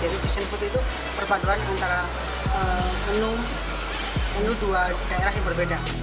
jadi fusion putih itu perpaduan antara menu dua daerah yang berbeda